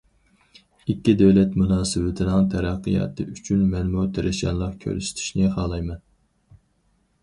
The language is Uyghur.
ئىككى دۆلەت مۇناسىۋىتىنىڭ تەرەققىياتى ئۈچۈن مەنمۇ تىرىشچانلىق كۆرسىتىشنى خالايمەن.